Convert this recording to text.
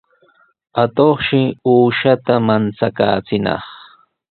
Atuqshi uushata manchakaachinaq.